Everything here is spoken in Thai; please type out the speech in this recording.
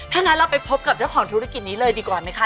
ถ้างั้นเราไปพบกับเจ้าของธุรกิจนี้เลยดีกว่าไหมคะ